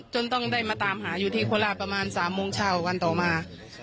จนต้องได้มาตามหาอยู่ที่โคราชประมาณ๓โมงเช้าวันต่อมา